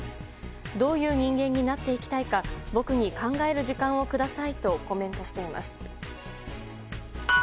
どういう人間になっていきたいか僕に考える時間をくださいとコメントしています。